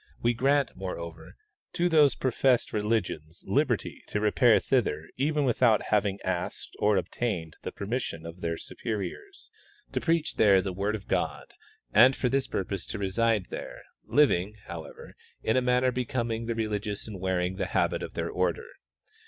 We grant, moreover, to those professed religions liberty to repair thither even without having asked or obtained the permission of their superiors ; to preach there the word of God, and for this purpose to reside there, living, however, in a manner becoming the religious and wearing the habit of their order.